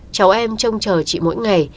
cháu em trông chờ chị mỗi ngày